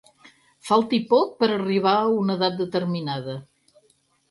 Falti poc per arribar a una edat determinada.